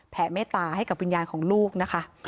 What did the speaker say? เมตตาให้กับวิญญาณของลูกนะคะ